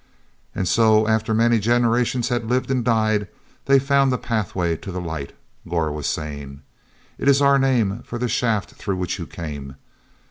"... and so, after many generations had lived and died, they found the Pathway to the Light," Gor was saying. "It is our name for the shaft through which you came.